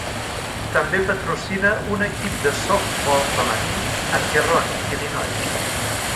També patrocina un equip de softball femení a Pierron, Illinois.